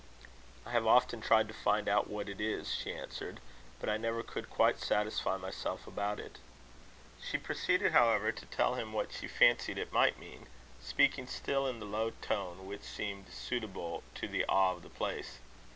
"I have often tried to find out what it is," she answered; "but I never could quite satisfy myself about it." She proceeded, however, to tell him what she fancied it might mean, speaking still in the low tone which seemed suitable to the awe of the place.